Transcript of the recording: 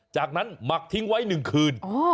จากนั้นหมักทิ้งไว้๑คืน